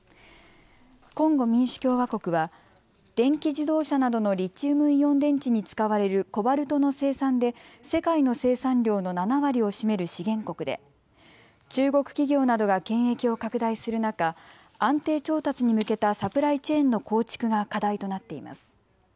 コンゴ民主共和国は電気自動車などのリチウムイオン電池に使われるコバルトの生産で世界の生産量の７割を占める資源国で中国企業などが権益を拡大する中、安定調達に向けたサプライチェーンの構築が課題となっています。